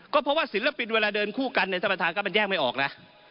ก็เพราะว่าศิลปินเวลาเดินคู่กันเนี่ยท่านประธานก็มันแยกไม่ออกนะ